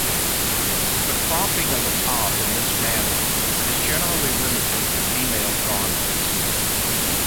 The cropping of a top in this manner is generally limited to female garments.